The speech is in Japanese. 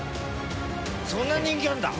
そんな人気あるんだ！